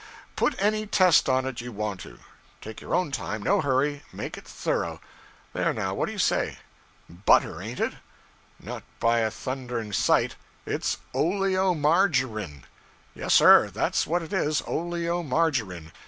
Put any test on it you want to. Take your own time no hurry make it thorough. There now what do you say? butter, ain't it. Not by a thundering sight it's oleomargarine! Yes, sir, that's what it is oleomargarine.